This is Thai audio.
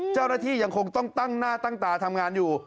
เจ้าหน้าที่ยังคงต้องตั้งหน้าตั้งตาทำงานอยู่